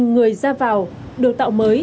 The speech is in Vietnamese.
người ra vào được tạo mới